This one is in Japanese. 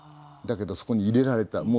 だけどそこに入れられた。